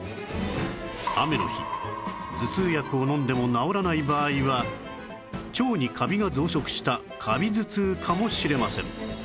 雨の日頭痛薬を飲んでも治らない場合は腸にカビが増殖したカビ頭痛かもしれません